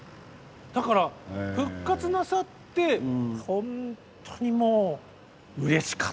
だから復活なさってほんとにもううれしかったの覚えてますね。